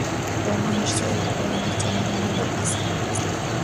তোমার নিশ্চয় ওপরে অনেক চেনা-জানা লোক আছে।